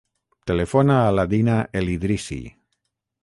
Telefona a la Dina El Idrissi.